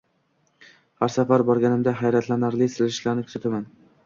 har safar borganimda hayratlanarli siljishni kuzataman.